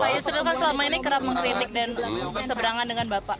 pak yusril kan selama ini kerap mengkritik dan berseberangan dengan bapak